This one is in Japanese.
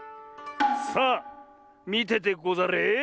さあみててござれ。